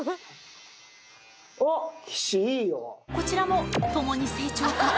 こちらも共に成長か？